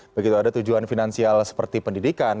begitu ada tujuan finansial seperti pendidikan